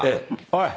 おい！